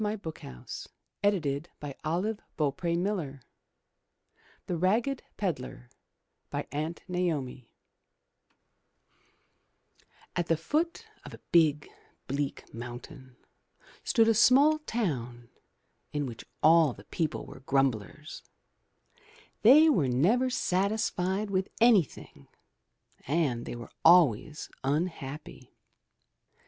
M Y BOOK HOUSE THE RAGGED PEDLAR* Aunt Naomi At the foot of a big, bleak mountain stood a small town in which all the people were grumblers. They were never satisfied with anything and they were always unhappy.